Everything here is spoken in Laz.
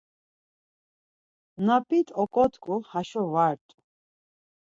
Na p̆it ok̆otku haşo va rt̆u.